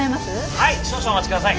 はい少々お待ち下さい。